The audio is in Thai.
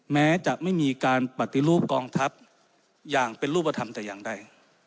แม้จะไม่มีการปฏิรูปกองทัพอย่างเป็นรูปธรรมแต่อย่างใด